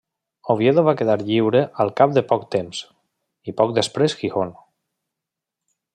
Oviedo va quedar lliure al cap de poc temps i poc després Gijón.